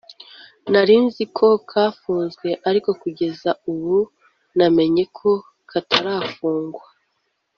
nari nzi ko kafunzwe ariko kugeza ubu namenye ko katarafungwa